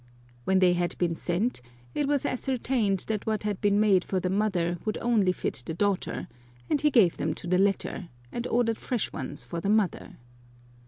When they had been sent, it was ascertained that what had been made for the mother would only fit the daughter, and he gave them to the latter, and ordered fresh ones for the mother.